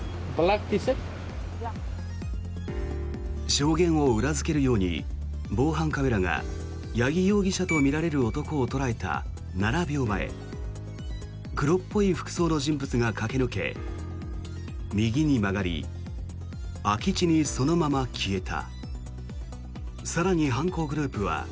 証言を裏付けるように防犯カメラが八木容疑者とみられる男を捉えた７秒前黒っぽい服装の人物が駆け抜け右に曲がり空き地にそのまま消えた。